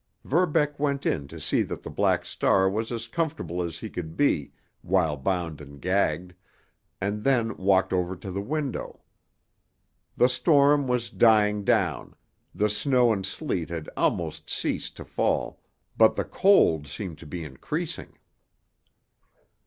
Verbeck went in to see that the Black Star was as comfortable as he could be while bound and gagged, and then walked over to the window. The storm was dying down; the snow and sleet had almost ceased to fall, but the cold seemed to be increasing.